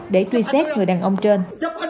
để truy xét người đàn ông trên